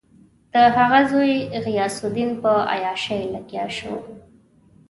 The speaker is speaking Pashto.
د هغه زوی غیاث الدین په عیاشي لګیا شو.